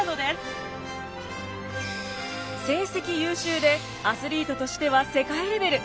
成績優秀でアスリートとしては世界レベル。